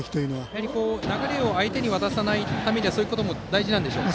やはり流れを相手に渡さないためにはそういうことも大事なんでしょうか。